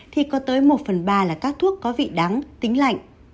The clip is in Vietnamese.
thì có tới một phần ba là các thuốc có vị đắng tính lạnh